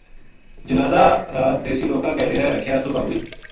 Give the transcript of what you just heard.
جنازہ رات دیسی لوکاں کے ڈیرے رکھیا صبح ہوئی